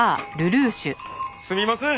すみません。